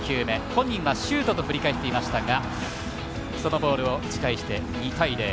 本人は、シュートと振り返っていましたがそのボールを打ち返して２対０。